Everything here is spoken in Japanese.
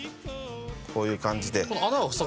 こういう感じで。